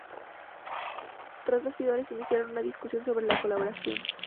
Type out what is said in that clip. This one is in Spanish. Tras bastidores iniciaron una discusión sobre la colaboración.